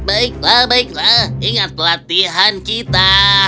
baiklah baiklah ingat pelatihan kita